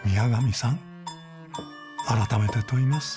改めて問います。